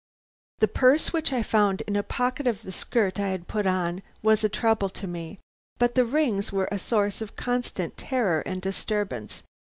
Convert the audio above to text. The purse which I found in a pocket of the skirt I had put on was a trouble to me, but the rings were a source of constant terror and disturbance.